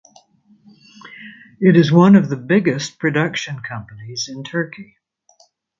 It is one of the biggest production companies in Turkey.